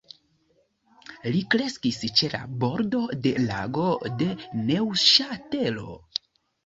Li kreskis ĉe la bordo de Lago de Neŭŝatelo.